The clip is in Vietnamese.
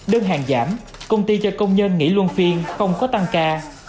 đơn hàng giảm công ty cho công nhân nghỉ luân phiên không có tăng ca